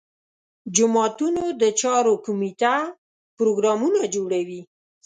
جوماتونو د چارو کمیټه پروګرامونه جوړوي.